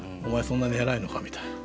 そんなに偉いのかみたいな。